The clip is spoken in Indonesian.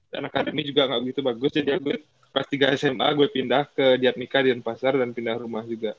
dan akademi juga gak begitu bagus jadi kelas tiga sma gue pindah ke diat mika di denpasar dan pindah rumah juga